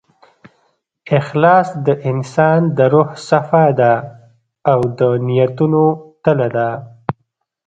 اخلاص د انسان د روح صفا ده، او د نیتونو تله ده.